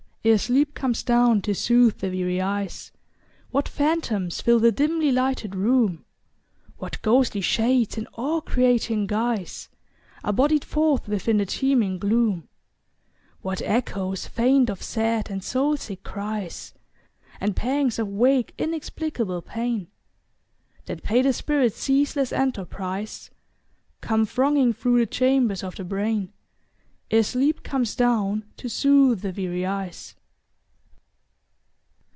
Ere sleep comes down to soothe the weary eyes, What phantoms fill the dimly lighted room; What ghostly shades in awe creating guise Are bodied forth within the teeming gloom. What echoes faint of sad and soul sick cries, And pangs of vague inexplicable pain That pay the spirit's ceaseless enterprise, Come thronging through the chambers of the brain Ere sleep comes down to soothe the weary eyes.